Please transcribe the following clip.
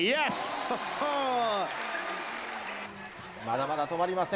まだまだ止まりません。